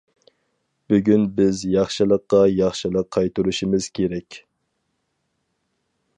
بۈگۈن بىز ياخشىلىققا ياخشىلىق قايتۇرۇشىمىز كېرەك.